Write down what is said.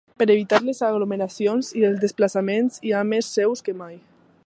Per evitar les aglomeracions i els desplaçaments, hi ha més seus que mai.